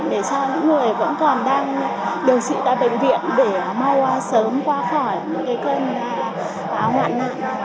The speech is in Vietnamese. để cho những người vẫn còn đang điều trị tại bệnh viện để mau sớm qua khỏi cơn bão nạn nạn